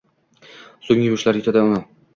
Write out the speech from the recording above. So‘ng yumushlar yutadi uni